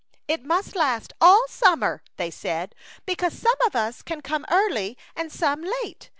"It must last all summer," they said, " because some of us can come early and some late.